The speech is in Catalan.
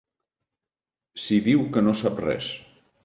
Si diu que no sap res.